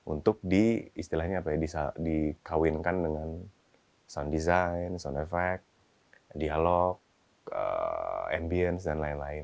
untuk di istilahnya apa ya dikawinkan dengan sound design sound effect dialog ambience dan lain lain